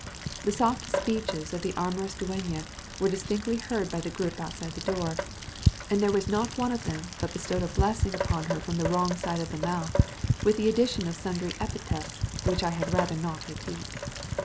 The soft speeches of the amorous dueña were distinctly heard by the group outside the door; and there was not one of them but bestowed a blessing upon her from the wrong side of the mouth, with the addition of sundry epithets which I had rather not repeat.